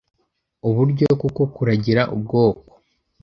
Uburyo kuko kuragira ubwoko .